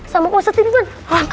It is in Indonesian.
sama poset ini kan